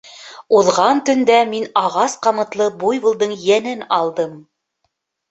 — Уҙған төндә мин ағас ҡамытлы буйволдың йәнен алдым.